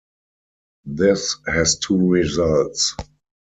This has two results.